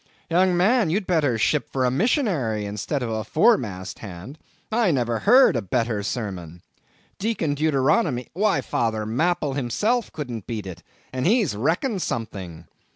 "Young man, you'd better ship for a missionary, instead of a fore mast hand; I never heard a better sermon. Deacon Deuteronomy—why Father Mapple himself couldn't beat it, and he's reckoned something.